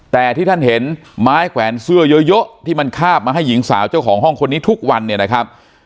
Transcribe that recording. แต่ที่ท่านเห็นไม้แขวนเสื้อเยอะที่มันคาบมาให้หญิงสาวเจ้าของห้องคนนี้ทุกวันเนี่ยนะครับ